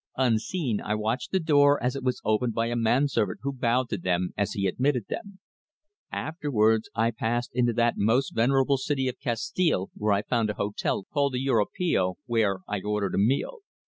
Unseen, I watched the door as it was opened by a man servant who bowed to them as he admitted them. Afterwards I passed into that most venerable city of Castile where I found a hotel called the Europeo, where I ordered a meal.